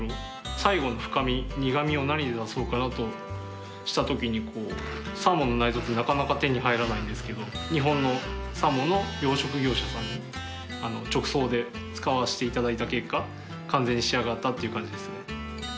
最後の深み苦味を何で出そうかなとしたときにサーモンの内臓ってなかなか手に入らないんですけど日本のサーモンの養殖業者さんに直送で使わせていただいた結果完全に仕上がったっていう感じですね。